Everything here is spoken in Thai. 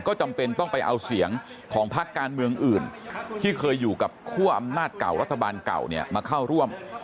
ก็จำเป็นต้องไปเอาเสียงของพักการเมืองอื่นที่เคยอยู่กับคั่วอำนาจเก่ารัฐบาลเก่าเนี่ยมาเข้าร่วม